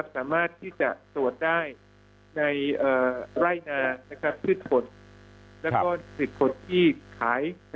สามารถที่จะตรวจได้ในไร่นาพืชผลแล้วก็๑๐คนที่ขาย